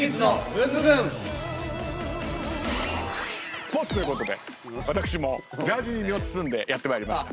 スポーツということで私もジャージに身を包んでやってまいりました。